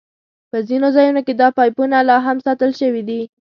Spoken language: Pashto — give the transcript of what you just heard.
په ځینو ځایونو کې دا پایپونه لاهم ساتل شوي دي.